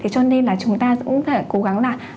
cho nên là chúng ta cũng có thể cố gắng